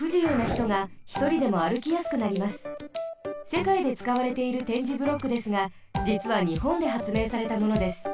せかいでつかわれている点字ブロックですがじつはにほんではつめいされたものです。